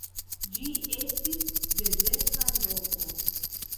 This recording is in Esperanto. Ĝi estis dezerta loko.